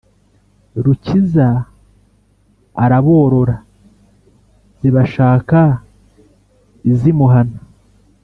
rukiza araborora zibashaka iz’imuhana.